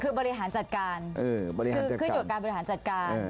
คือบริหารจัดการคือขึ้นอยู่กับการบริหารจัดการ